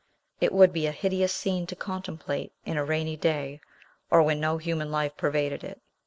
It would be a hideous scene to contemplate in a rainy day, or when no human life pervaded it.